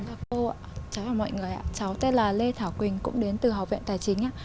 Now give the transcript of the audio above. chào cô ạ chào mọi người ạ cháu tên là lê thảo quỳnh cũng đến từ học viện tài chính